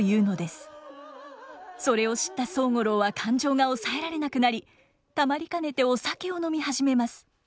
それを知った宗五郎は感情が抑えられなくなりたまりかねてお酒を飲み始めます。